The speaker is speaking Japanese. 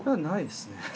ないですね。